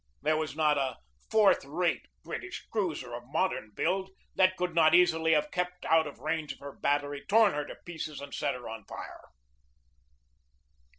There was not a fourth rate British cruiser of modern build that could not easily have kept out of range of her battery, torn her to pieces, and set her on fire.